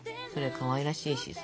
かわいらしいしさ。